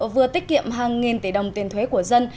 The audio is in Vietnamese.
vừa tiết kiệm hàng nghìn tỷ đồng tiền thuế của dân